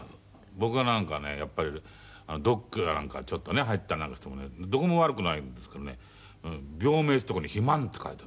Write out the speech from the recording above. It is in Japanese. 僕がなんかねやっぱりドックやなんかちょっとね入ったりなんかしてもどこも悪くないんですけどね病名ってとこに「肥満」って書いてある。